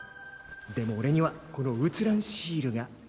でもおれにはこの写らんシールが。